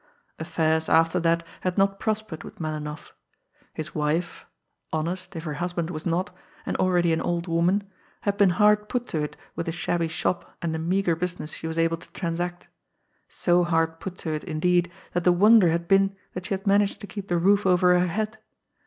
Affairs after that had not prospered with Melinoff. His wife, honest if her husband was not, and already an old woman, had been hard put to it with the shabby shop and the meagre business she was able to transact; so hard put to it, indeed, that the wonder had been that she had managed to keep the roof over her head.